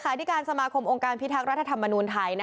ที่การสมาคมองค์การพิทักษ์รัฐธรรมนูลไทย